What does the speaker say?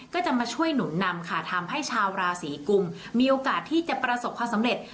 ก็จะมาช่วยหนุนนำค่ะทำให้ชาวราศีกุมมีโอกาสที่จะประสบความสำเร็จ